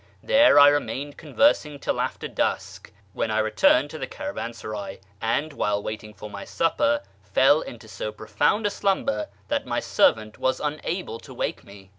There I remained con \'ersing till after dusk, when I returned to the caravansaray, and, while waiting for my supper, fell into so profound a j slumber that my servant was unable to wake me.